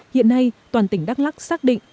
hiện nay toàn tỉnh đắk lắc xác định